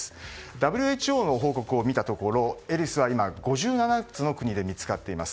ＷＨＯの報告を見たところエリスは今、５７つの国で見つかっています。